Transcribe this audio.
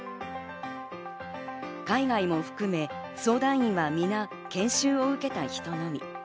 海外も含め相談員は皆、研修を受けた人のみ。